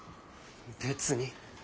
別に。